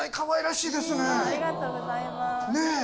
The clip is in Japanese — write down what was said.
ありがとうございます。